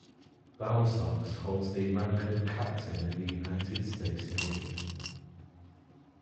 Bowersox holds the rank of Captain in the United States Navy.